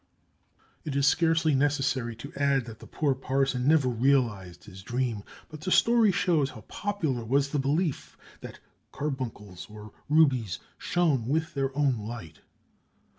It is scarcely necessary to add that the poor parson never realized his dream, but the story shows how popular was the belief that carbuncles or rubies shone with their own light.